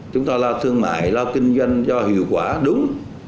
chúng ta lo thương mại lo kinh doanh do hiệu quả đúng